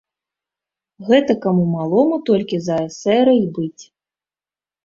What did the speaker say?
Гэтакаму малому толькі за эсэра й быць.